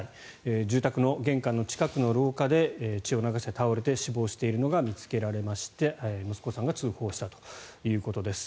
住宅の玄関の近くの廊下で血を流して倒れて死亡しているのが見つけられまして息子さんが通報したということです。